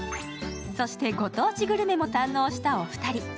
そして、ご当地グルメも堪能したお二人。